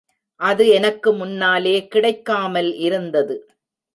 அது எனக்கு முன்னாலே கிடைக்காமல் இருந்தது.